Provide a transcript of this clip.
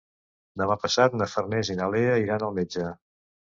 Demà passat na Farners i na Lea iran al metge.